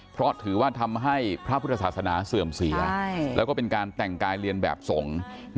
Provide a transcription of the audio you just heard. เพราะถือว่าทำให้พระพุทธศาสนาเสื่อมเสียแล้วก็เป็นการแต่งกายเรียนแบบสงฆ์